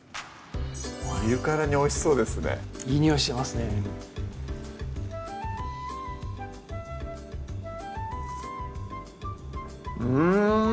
見るからにおいしそうですねいいにおいしてますねうん！